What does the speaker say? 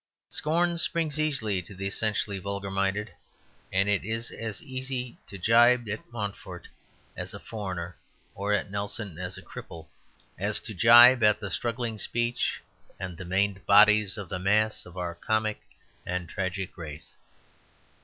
Scorn springs easily to the essentially vulgar minded, and it is as easy to gibe at Montfort as a foreigner or at Nelson as a cripple, as to gibe at the struggling speech and the maimed bodies of the mass of our comic and tragic race.